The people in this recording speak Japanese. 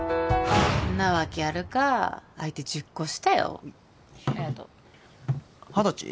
んなわけあるか相手１０個下よありがとう二十歳？